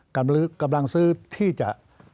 กำลังซื้อที่จะ